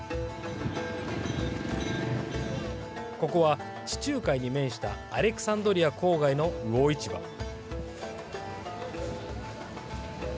ここは地中海に面したアレクサンドリア郊外の魚市場。